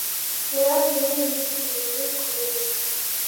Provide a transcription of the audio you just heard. Shira ibiringiti bibiri ku buriri